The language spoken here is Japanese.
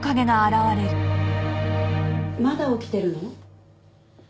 まだ起きてるの？